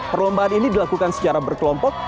perlombaan ini dilakukan secara berkelompok